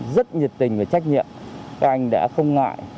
rất nhiệt tình và trách nhiệm các anh đã không ngại